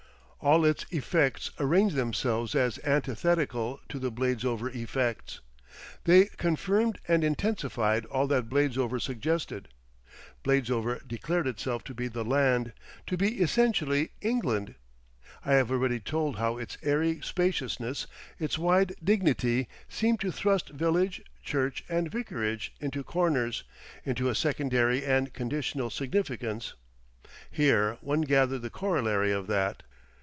All its effects arranged themselves as antithetical to the Bladesover effects. They confirmed and intensified all that Bladesover suggested. Bladesover declared itself to be the land, to be essentially England; I have already told how its airy spaciousness, its wide dignity, seemed to thrust village, church, and vicarage into corners, into a secondary and conditional significance. Here one gathered the corollary of that.